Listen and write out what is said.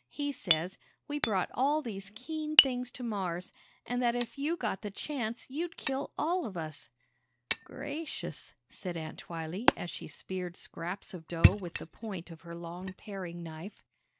He says, we brought all these keen things to Mars, an' that if you got th' chance, you'd kill all of us!" "Gracious," said Aunt Twylee as she speared scraps of dough with the point of her long paring knife.